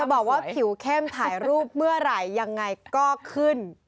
บอกว่าผิวเข้มถ่ายรูปเมื่อไหร่ยังไงก็ขึ้น